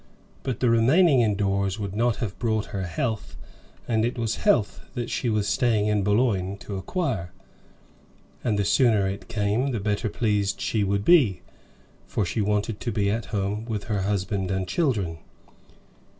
But the remaining indoors would not have brought her health, and it was health that she was staying in Boulogne to acquire, and the sooner it came the better pleased she would be, for she wanted to be at home with her husband and children.